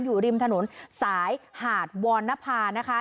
อยู่ริมถนนสายหาดวรณภานะคะ